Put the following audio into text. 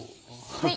はい。